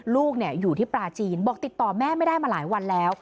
ลูกอยู่ที่ปลาจีนบอกติดต่อแม่ไม่ได้มาหลายวันแล้ว